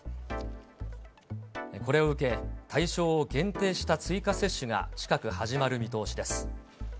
これを受け、対象を限定した追加接種が、近く始まる見通しです。